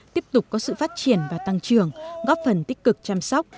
tiếp tục có sự phát triển và tăng trưởng góp phần tích cực chăm sóc